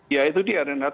ya itu dia renat